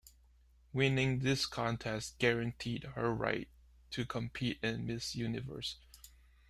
Winning this contest guaranteed her right to compete in Miss Universe.